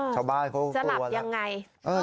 ชาวบ้านก็กลัวแล้วจะหลับยังไง